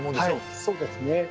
はいそうですね。